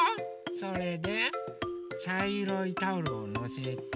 それでちゃいろいタオルをのせて。